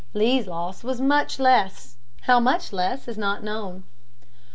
Lee's loss was much less how much less is not known.